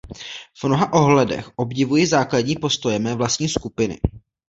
V mnoha ohledech obdivuji základní postoje mé vlastní skupiny.